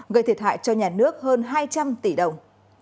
gây thiệt hại cho nhà nước hơn hai trăm linh tỷ đồng